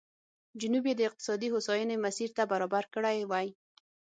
جنوب یې د اقتصادي هوساینې مسیر ته برابر کړی وای.